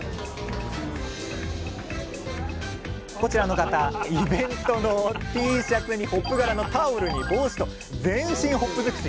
こちらの方イベントのＴシャツにホップ柄のタオルに帽子と全身ホップ尽くし！